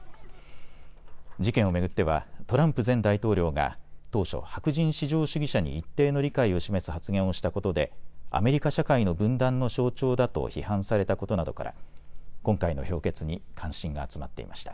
事件を巡ってはトランプ前大統領が当初、白人至上主義者に一定の理解を示す発言をしたことでアメリカ社会の分断の象徴だと批判されたことなどから今回の評決に関心が集まっていました。